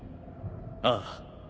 ああ。